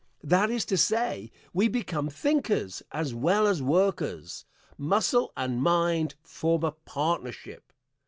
That is to say, we become thinkers as well as workers; muscle and mind form a partnership.